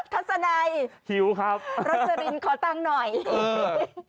ทัศนัยรัชรินขอตั้งหน่อยฮิวครับ